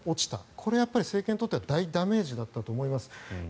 これはやっぱり政権にとっては大ダメージだったと思います。